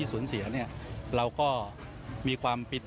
สวัสดีครับ